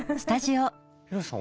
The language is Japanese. ヒロシさん